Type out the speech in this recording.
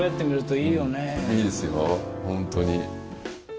いいですよ、本当に。